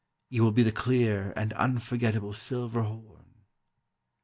'You will be the clear and unforgettable silver horn.